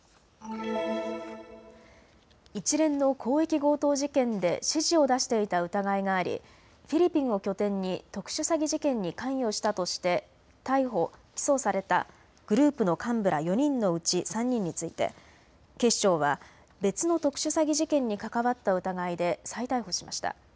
一連の広域強盗事件で指示を出していた疑いがありフィリピンを拠点に特殊詐欺事件に関与したとして逮捕・起訴されたグループの幹部ら４人のうち３人について警視庁は別の特殊詐欺事件に関わった疑いで再逮捕しました。